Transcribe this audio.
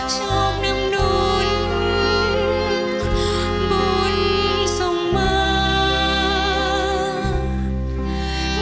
ชอบนำนุนบุญส่งมา